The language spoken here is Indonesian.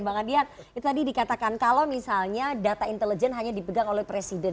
mbak ngan dian itu tadi dikatakan kalau misalnya data intelijen hanya dipegang oleh presiden